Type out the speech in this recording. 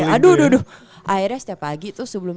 aduh aduh akhirnya setiap pagi tuh sebelum